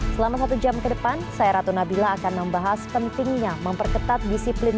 selama satu jam ke depan saya ratu nabila akan membahas pentingnya memperketat disiplin